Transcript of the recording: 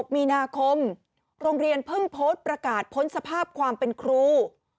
มีนาคมโรงเรียนเพิ่งโพสต์ประกาศพ้นสภาพความเป็นครู